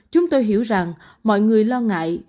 chúng tôi hiểu rằng mọi người lo ngại